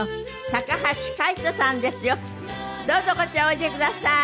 どうぞこちらへおいでください。